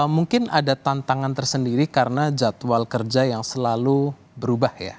mungkin ada tantangan tersendiri karena jadwal kerja yang selalu berubah ya